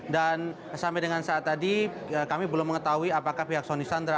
dan sampai dengan saat tadi kami belum mengetahui apakah pihak soni sandra